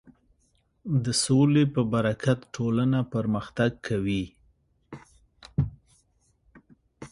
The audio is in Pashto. د سولې په برکت ټولنه پرمختګ کوي.